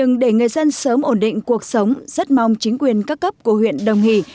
người dân sớm ổn định cuộc sống rất mong chính quyền các cấp của huyện đồng hỷ